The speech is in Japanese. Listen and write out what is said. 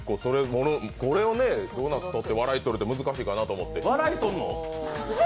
ドーナツ食べて笑いとるのって難しいかなと思って。